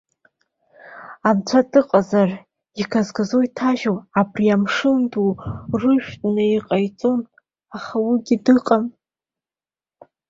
Анцәа дыҟазар игазго иҭажьу абри амшын ду рыжәтәны иҟаиҵауан, аха уигьы дыҟам.